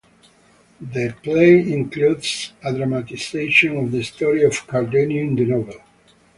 The play includes a dramatisation of the story of Cardenio in the novel.